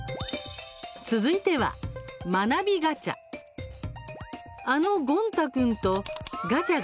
続いては「まなびガチャ」。